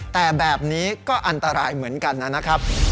แต่แบบนี้ก็อันตรายเหมือนกันนะครับ